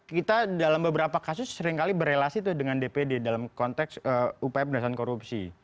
kita dalam beberapa kasus seringkali berrelasi dengan dpd dalam konteks upaya pendasaran korupsi